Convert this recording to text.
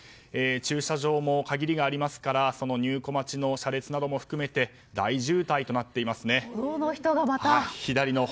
駐車場も限りがありますから入庫待ちの車列なども含めて大渋滞となっていますね。